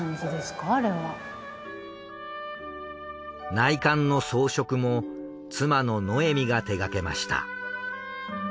内観の装飾も妻のノエミが手がけました。